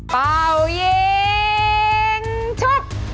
เป่ายิงชุบ